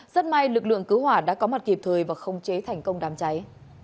rất may lực lượng cứu hỏa đã có mặt kịp thời và không chế thành công đám cháy